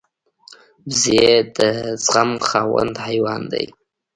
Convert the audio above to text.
وزې د زغم خاوند حیوان دی